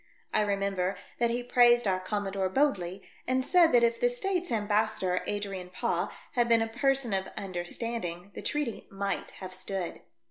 I remember that he praised our Commodore Bodley, and said that if the States' ambas sador, Adrian Paaw, had been a person of understanding, the treaty might have stood.